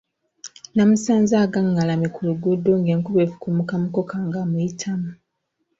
Namusanze agangalamye ku luguudo ng'enkuba efukumuka mukoka ng'amuyitamu.